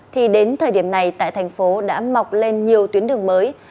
thì đến thời điểm này tại thành phố đã mọc lên nhiều tuyến đường mới